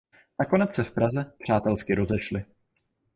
Nakonec se v Praze přátelsky rozešli.